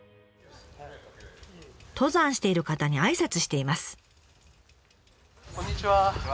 登山している方に挨拶しています。